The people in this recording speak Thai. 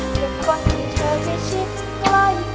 แต่ก่อนที่เธอไปชิดใกล้